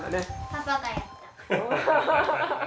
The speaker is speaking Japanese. パパがやった。